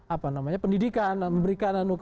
apa namanya pendidikan memberikan